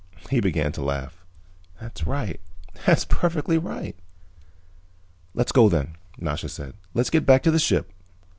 He began to laugh. "That's right. That's perfectly right." "Let's go, then," Nasha said. "Let's get back to the ship.